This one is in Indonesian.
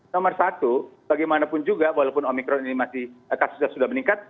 nomor satu bagaimanapun juga walaupun omikron ini masih kasusnya sudah meningkat